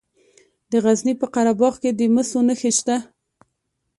د غزني په قره باغ کې د مسو نښې شته.